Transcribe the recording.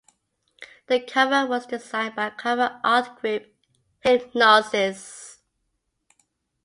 The cover was designed by cover art group Hipgnosis.